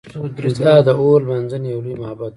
دا د اور لمانځنې یو لوی معبد و